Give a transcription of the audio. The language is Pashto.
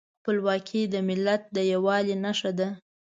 خپلواکي د ملت د یووالي نښه ده.